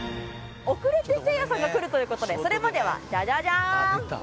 遅れてせいやさんが来るという事でそれまではジャジャジャーン！